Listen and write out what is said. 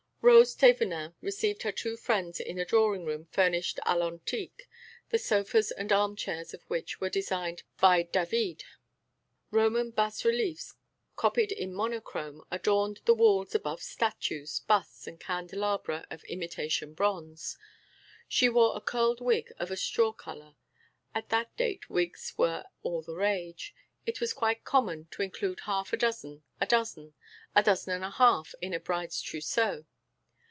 Rose Thévenin received her two friends in a drawing room furnished à l'antique, the sofas and armchairs of which were designed by David. Roman bas reliefs, copied in monochrome, adorned the walls above statues, busts and candelabra of imitation bronze. She wore a curled wig of a straw colour. At that date wigs were all the rage; it was quite common to include half a dozen, a dozen, a dozen and a half in a bride's trousseau.